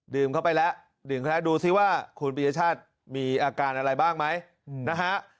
เข้าไปแล้วดื่มแล้วดูซิว่าคุณปียชาติมีอาการอะไรบ้างไหมนะฮะ